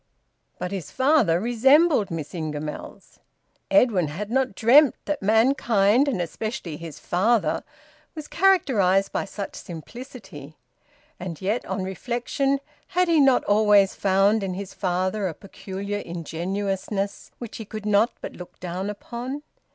But his father resembled Miss Ingamells. Edwin had not dreamt that mankind, and especially his father, was characterised by such simplicity. And yet, on reflection, had he not always found in his father a peculiar ingenuousness, which he could not but look down upon?